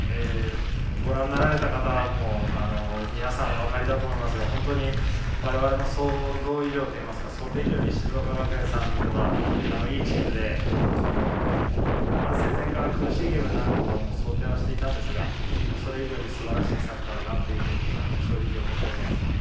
ご覧になられて方も皆さんお分かりだと思いますが、本当に我々の想像以上といいますか、想定以上に静岡学園さんがいいチームで、戦前から苦しいゲームになることは想定していたんですが、それ以上に素晴らしいサッカーだなというふうに正直思っております。